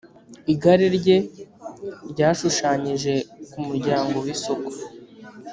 igare rye ryashushanyije ku muryango w’isoko.